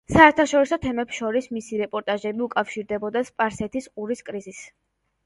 საერთაშორისო თემებს შორის მისი რეპორტაჟები უკავშირდებოდა სპარსეთის ყურის კრიზისს.